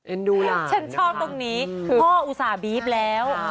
เอ็นดูล่ะฉันชอบตรงนี้พออุตส่าห์บีฟแล้ว